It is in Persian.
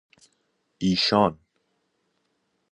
ایشان